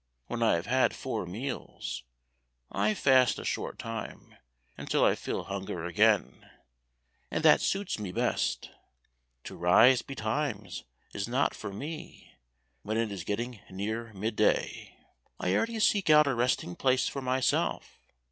When I have had four meals, I fast a short time until I feel hunger again, and that suits me best. To rise betimes is not for me; when it is getting near mid day, I already seek out a resting place for myself.